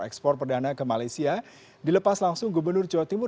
ekspor perdana ke malaysia dilepas langsung gubernur jawa timur